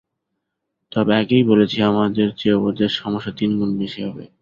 তবে আগেই বলেছি, আমাদের চেয়ে ওদের সমস্যা তিন গুণ বেশি হবে।